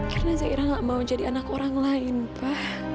karena zaira gak mau jadi anak orang lain pa